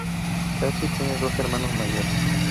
Cassie tiene dos hermanos mayores.